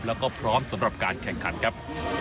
แล้วก็พร้อมสำหรับการแข่งขันครับ